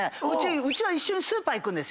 うち一緒にスーパー行くんですよ。